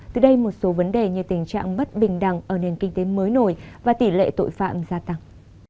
từ đây một số vấn đề như tình trạng bất bình đẳng ở nền kinh tế mới nổi và tỷ lệ tội phạm gia tăng